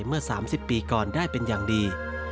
เมื่อ๓๐ปีก่อนได้เป็นอย่างดี